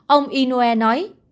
ông inoue nói